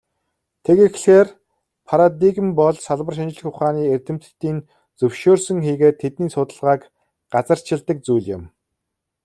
Тэгэхлээр, парадигм бол салбар шинжлэх ухааны эрдэмтдийн зөвшөөрсөн хийгээд тэдний судалгааг газарчилдаг зүйл юм.